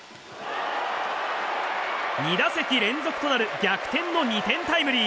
２打席連続となる逆転の２点タイムリー。